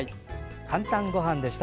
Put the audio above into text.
「かんたんごはん」でした。